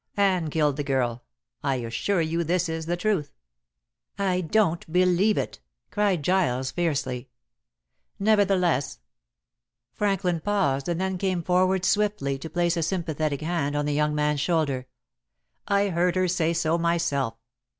Anne killed the girl. I assure you this is the truth." "I don't believe it," cried Giles fiercely. "Nevertheless" Franklin paused and then came forward swiftly to place a sympathetic hand on the young man's shoulder "I heard her say so myself.